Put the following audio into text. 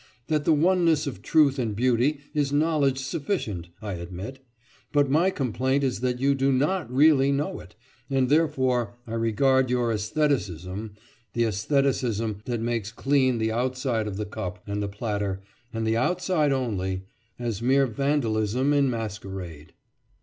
That the oneness of truth and beauty is knowledge sufficient, I admit; but my complaint is that you do not really know it, and therefore I regard your æstheticism—the æstheticism that makes clean the outside of the cup and the platter, and the outside only—as mere vandalism in masquerade.